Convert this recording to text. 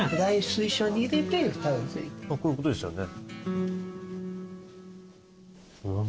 こういうことですよね。